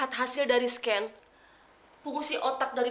tampan kenapa dokter sri